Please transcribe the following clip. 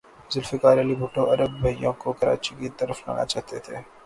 ذوالفقار علی بھٹو عرب بھائیوں کو کراچی کی طرف لانا چاہتے تھے۔